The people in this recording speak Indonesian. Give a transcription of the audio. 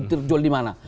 terjual di mana